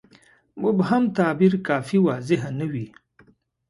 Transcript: مبهم تعبیر کافي واضحه نه وي.